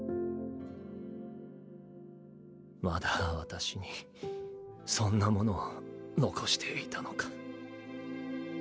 まだ私にそんなものを残していたのか。